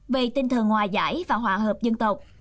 về tinh thần hòa giải và hòa hợp dân tộc